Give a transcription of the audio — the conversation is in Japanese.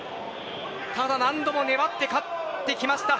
ただ何度も粘って勝ってきました。